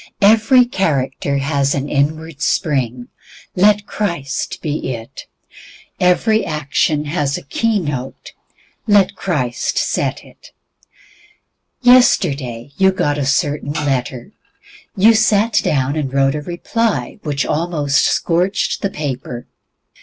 Every character has an inward spring, let Christ be it. Every action has a key note, let Christ set it. Yesterday you got a certain letter. You sat down and wrote a reply which almost scorched the paper.